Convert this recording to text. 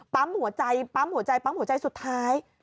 ปั๊มหัวใจปั๊มหัวใจปั๊มหัวใจสุดท้าย